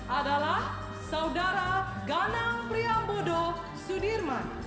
adalah saldara ganang pria bodoh sudirman